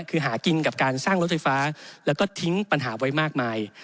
คือหากินกับการสร้างรถไฟฟ้าแล้วก็ทิ้งปัญหาไว้มากมาย